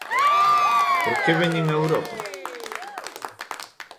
Por que veñen a Europa?